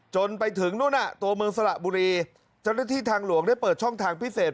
จนไปถึงนู่นน่ะตัวเมืองสระบุรีเจ้าหน้าที่ทางหลวงได้เปิดช่องทางพิเศษ